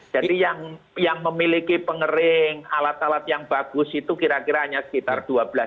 jadi yang memiliki pengering alat alat yang bagus itu kira kira hanya sekitar dua belas